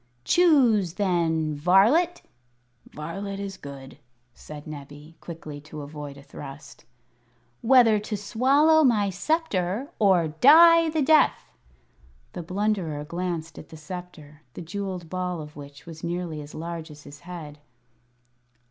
"Choose, then, varlet " ("Varlet is good," said Nebbie, quickly, to avoid a thrust) "whether to swallow my sceptre or die the death!" The Blunderer glanced at the sceptre, the jewelled ball of which was nearly as large as his head.